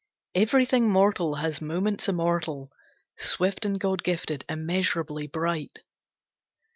Everything mortal has moments immortal, Swift and God gifted, immeasurably bright.